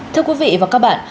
thưa quý vị và các bạn